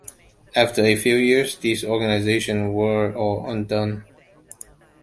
After a few years, these organizations were all undone.